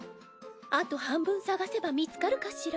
あと半分捜せば見つかるかしら？